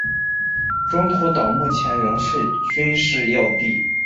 中途岛目前仍是军事要地。